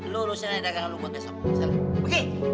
lo urusinan di dagangan lo buat besok bisa lah